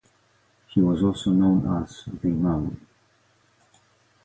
He was also known as "The Man".